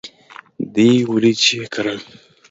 دوی وریجې کرل.